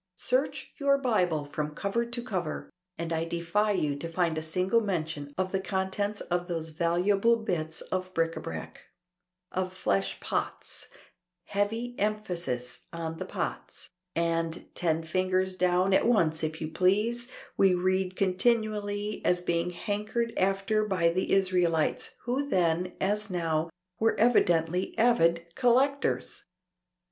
"Search your Bible from cover to cover, and I defy you to find a single mention of the contents of those valuable bits of bric à brac. Of flesh_pots_ heavy emphasis on the pots and ten fingers down at once if you please we read continually as being hankered after by the Israelites, who then, as now, were evidently avid collectors."